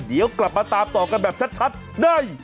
เดี๋ยวกลับมาตามต่อกันแบบชัดได้